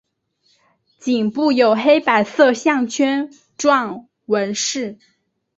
颈部有黑白色的项圈状纹饰。